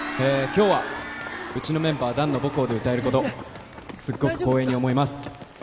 今日はうちのメンバー弾の母校で歌えることすっごく光栄に思います先生大丈夫ですか？